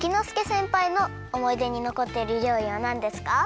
せんぱいのおもいでにのこっているりょうりはなんですか？